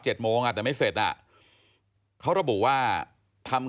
ขอบคุณครับและขอบคุณครับ